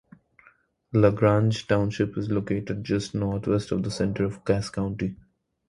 LaGrange Township is located just northwest of the center of Cass County.